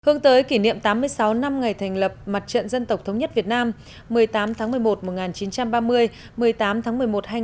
hướng tới kỷ niệm tám mươi sáu năm ngày thành lập mặt trận dân tộc thống nhất việt nam một mươi tám tháng một mươi một một nghìn chín trăm ba mươi một mươi tám tháng một mươi một hai nghìn hai mươi